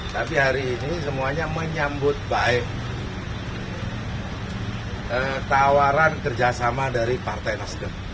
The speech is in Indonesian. tapi hari ini semuanya menyambut baik tawaran kerjasama dari partai nasdem